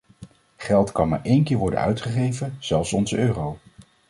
Geld kan maar één keer worden uitgegeven, zelfs onze euro.